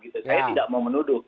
saya tidak mau menuduh